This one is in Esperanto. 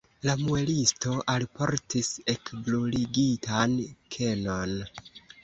La muelisto alportis ekbruligitan kenon.